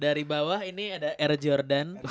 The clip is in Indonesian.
dari bawah ini ada era jordan